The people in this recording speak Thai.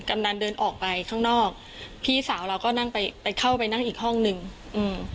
ำนันเดินออกไปข้างนอกพี่สาวเราก็นั่งไปไปเข้าไปนั่งอีกห้องหนึ่งอืม